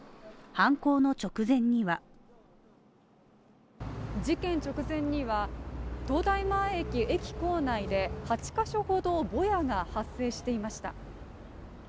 犯行の直前には事件直前には、東大前駅駅構内で８ヶ所ほどのボヤが発生していました。